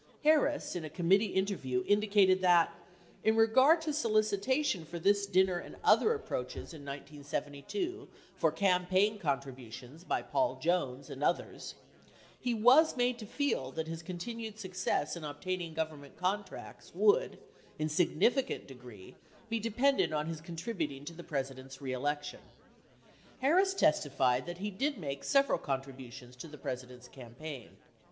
Harris, in a committee inter view, indicated that, in regard to solicitation for this dinner and other approaches in 1972 for campaign contributions by Paul Jones and others, he was made to feel that his continued success in obtaining Government contracts would, in significant degree, be dependent on his contributing to the President's reelection. Harris testified that he did make several contributions to the President's campaign.